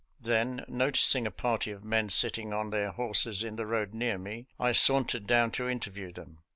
Then noticing a party of men sitting on their horses in the road near me, I sauntered down to interview them.